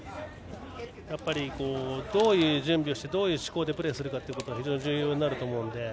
どういう準備をしてどういう思考でプレーするかが非常に重要になると思うので。